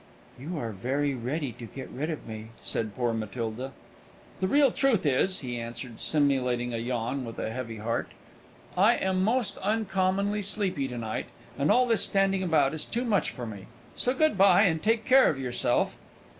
"You are very ready to get rid of me," said poor Matilda. "The real truth is," he answered, simulating a yawn with a heavy heart; "I am most uncommon sleepy to night, and all this standing about is too much for me. So good bye, and take care of yourself!"